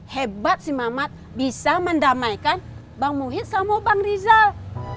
hebat si mamat bisa mendamaikan bang muhid sama bang rizal